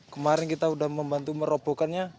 kemarin kita sudah membantu merobohkannya